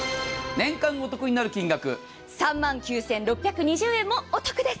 年間お得になる金額、３万９６２０円です。